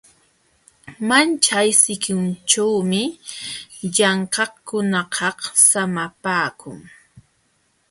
Maćhay sikinćhuumi llamkaqkunakaq samapaakun.